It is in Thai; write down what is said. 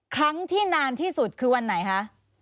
ครั้งที่นานที่สุดคือวันไหนคะ